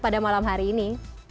pada malam hari ini